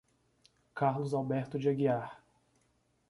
Carlos Alberto de Aguiar